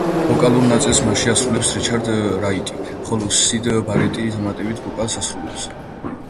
ვოკალურ ნაწილს მასში მას ასრულებს რიჩარდ რაიტი, ხოლო სიდ ბარეტი დამატებით ვოკალს ასრულებს.